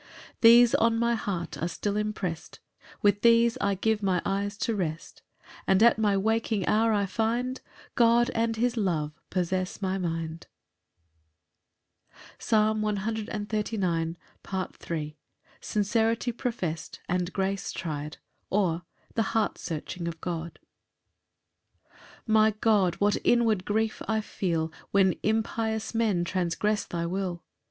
8 These on my heart are still impress'd, With these I give my eyes to rest; And at my waking hour I find God and his love possess my mind. Psalm 139:3. Third Part. L. M. Sincerity professed, and grace tried; or, The heart searching of God. 1 My God, what inward grief I feel When impious men transgress thy will!